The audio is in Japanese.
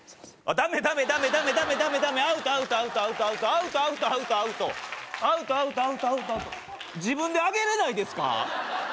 ダメダメダメダメダメダメダメアウトアウトアウトアウトアウトアウトアウトアウトアウトアウトアウト自分で上げれないですか？